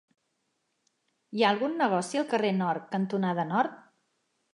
Hi ha algun negoci al carrer Nord cantonada Nord?